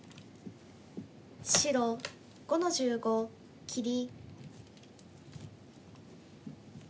白５の十五切り。